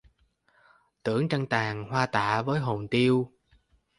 Tưởng trăng tàn, hoa tạ, với hồn tiêu